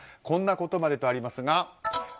こんなことまでとありますが。